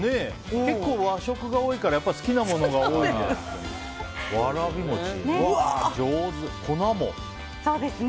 結構、和食が多いから好きなものが多いんじゃないですか。